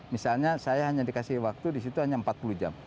misalnya saya hanya dikasih waktu di situ hanya empat puluh jam